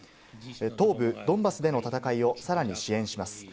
東部ドンバスでの戦いをさらに支援します。